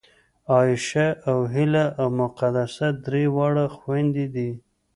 عایشه او هیله او مقدسه درې واړه خوېندې دي